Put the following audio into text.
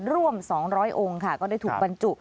ร่วม๒๐๐องค์ค่ะก็ได้ถูกบรรจุ